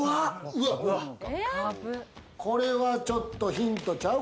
これはちょっとヒントちゃう？